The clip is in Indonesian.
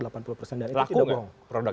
laku nggak produknya